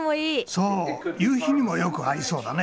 そう夕日にもよく合いそうだね。